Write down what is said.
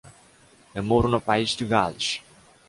Eu moro no País de Gales.